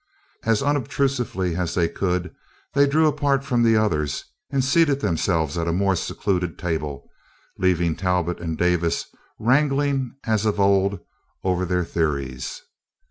As unobtrusively as they could, they drew apart from the others and seated themselves at a more secluded table, leaving Talbot and Davis wrangling, as of old, over their theories.